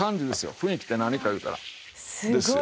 雰囲気って何かいうたらですよ。